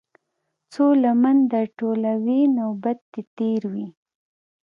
څــــو لمـــن در ټولـــوې نوبت دې تېر وي.